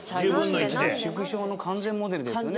縮小の完全モデルですかね。